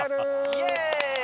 イエーイ！